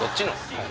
はい。